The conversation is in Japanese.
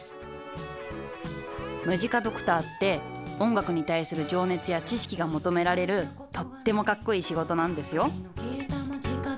ムジカドクターって音楽に対する情熱や知識が求められるとってもかっこいい仕事なんですよ